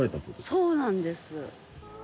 そうなんです。